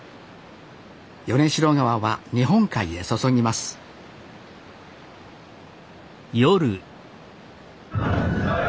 米代川は日本海へ注ぎますワッショイ！